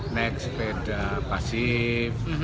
naik sepeda pasif